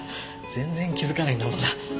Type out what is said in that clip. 全然気づかないんだもんな。